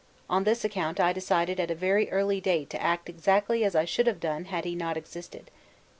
On this account I decided at a very early date to act exactly as I should have done had he not existed.